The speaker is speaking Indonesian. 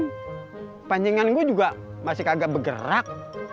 hai panjungan gue juga masih kagak bergerak